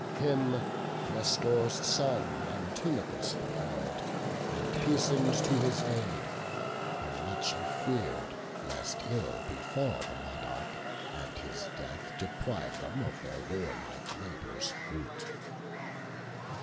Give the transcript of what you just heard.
Him Nestor's son, Antilochus, beheld, And hasten'd to his aid; for much he fear'd Lest ill befall the monarch, and his death Deprive them of their warlike labours' fruit.